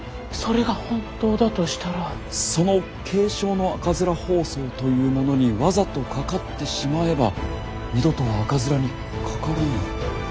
その軽症の赤面疱瘡というものにわざとかかってしまえば二度とは赤面にかからぬということになりますか？